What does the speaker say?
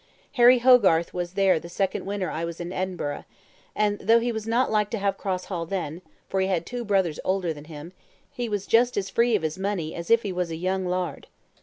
Harry Hogarth was there the second winter I was in Edinburgh, and, though he was not like to have Cross Hall then, for he had two brothers older than him, he was just as free of his money as if he was a young laird.